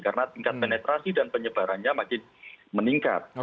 karena tingkat penetrasi dan penyebarannya makin meningkat